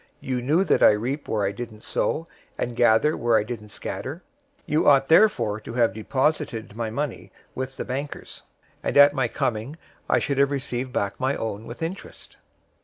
You knew that I reap where I didn't sow, and gather where I didn't scatter. 025:027 You ought therefore to have deposited my money with the bankers, and at my coming I should have received back my own with interest.